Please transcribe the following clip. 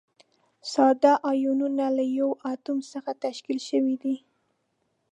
ساده ایونونه له یوه اتوم څخه تشکیل شوي دي.